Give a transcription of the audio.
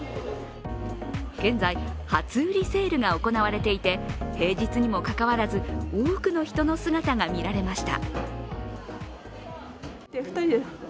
現在、初売りセールが行われていて平日にもかかわらず多くの人の姿が見られました。